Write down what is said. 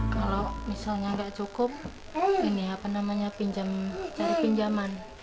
kalau misalnya nggak cukup ini apa namanya pinjam cari pinjaman